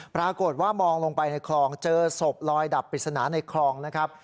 ปรากฏว่ามองลงไปในคลองเจอศพลอยดับปริศนาในคลองนะครับ